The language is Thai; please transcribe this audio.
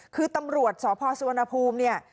คือตำรวจสศพสวนภูมิเนี้ย